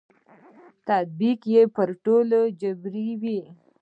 تطبیق یې په ټولو اجباري وي.